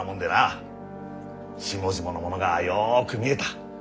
下々の者がよく見えた。